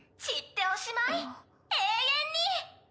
散っておしまい永遠に！